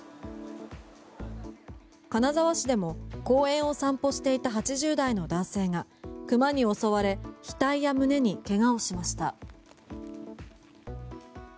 金沢市でも公園を散歩していた８０代の男性が熊に襲われ額や胸に怪我をしました。